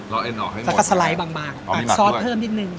ร็อกเอ็นออกให้หมดแล้วก็สไลด์บางบางอ๋อมีหมัดด้วยซอสเพิ่มนิดหนึ่ง